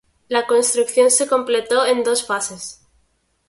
La construcción se completó en dos fases.